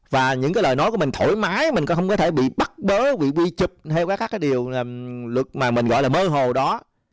và những cái lời nói của mình thổi mái mình không có thể bị bắt bớ bị quy chụp hay các cái điều mà mình gọi là mơ hồ đó